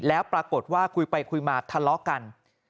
แล้วปรากฏว่าคุยไปคุยมาทะเลาะกัน